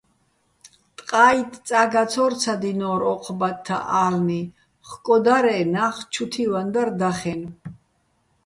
ტყა́იტტ წა გაცო́რცადინორ ო́ჴ ბათთა ა́ლნი, ხკო დარ-ე́ ნახ ჩუ თივაჼ დარ დახენო̆.